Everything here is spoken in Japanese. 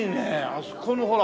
あそこのほら。